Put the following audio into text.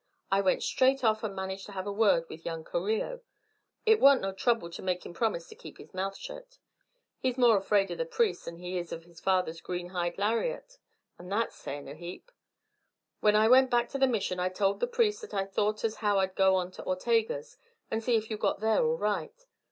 I went straight off and managed to have a word with young Carrillo. It warnt no trouble to make him promise to keep his mouth shet; he's more afraid of the priest than he is of his father's green hide lariat, and that's sayin' a heap. When I went back to the Mission I told the priest that I thought as how I'd go on to Ortega's, and see if you got there all right.